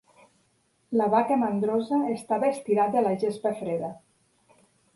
La vaca mandrosa estava estirada a la gespa freda.